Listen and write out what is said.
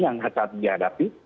yang harus dihadapi